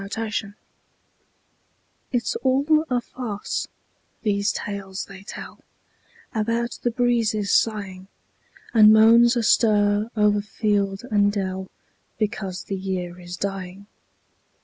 MERRY AUTUMN It's all a farce, these tales they tell About the breezes sighing, And moans astir o'er field and dell, Because the year is dying.